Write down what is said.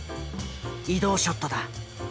移動ショットだ。